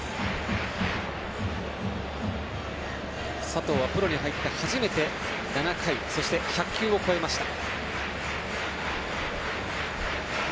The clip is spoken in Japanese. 佐藤はプロに入って初めて７回そして１００球を超えました。